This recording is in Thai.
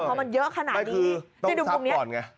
แต่พอมันเยอะขนาดนี้นี่ดูปุ่มนี้ต้องซับก่อนไง